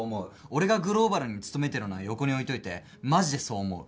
俺がグローバルに勤めてるのは横に置いといてマジでそう思う。